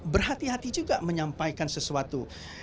berhati hati juga menyampaikan sesuatu